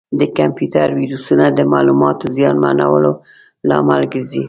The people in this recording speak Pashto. د کمپیوټر ویروسونه د معلوماتو زیانمنولو لامل ګرځي.